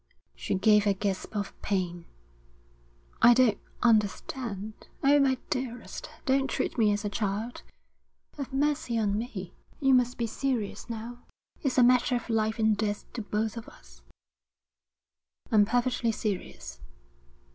She gave a gasp of pain. 'I don't understand. Oh, my dearest, don't treat me as a child. Have mercy on me. You must be serious now. It's a matter of life and death to both of us.' 'I'm perfectly serious.'